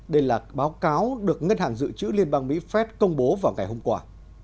đây là báo cáo được ngân hàng dự trữ liên bang mỹ fed công bố vào ngày hôm qua